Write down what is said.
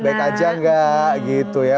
baik aja nggak gitu ya